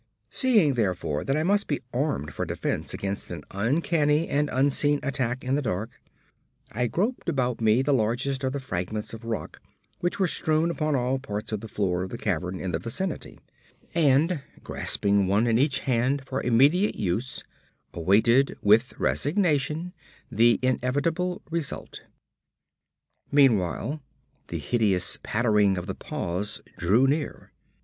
Seeing therefore that I must be armed for defense against an uncanny and unseen attack in the dark, I groped about me the largest of the fragments of rock which were strewn upon all parts of the floor of the cavern in the vicinity, and grasping one in each hand for immediate use, awaited with resignation the inevitable result. Meanwhile the hideous pattering of the paws drew near.